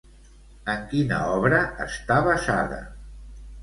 En quina obra està basada?